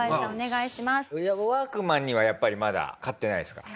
ワークマンにはやっぱりまだ勝ってないですか？